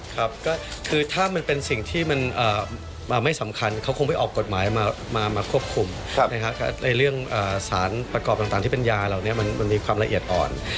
ครับก็คือถ้ามันเป็นสิ่งที่มันไม่สำคัญเขาคงไปออกกฎหมายมาควบคุมในเรื่องสารประกอบต่างที่เป็นยาเหล่านี้มันมีความละเอียดอ่อน